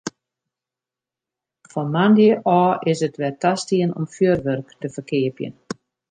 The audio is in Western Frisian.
Fan moandei ôf is it wer tastien om fjurwurk te ferkeapjen.